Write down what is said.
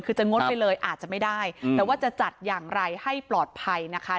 คือจะงดไปเลยอาจจะไม่ได้แต่ว่าจะจัดอย่างไรให้ปลอดภัยนะคะ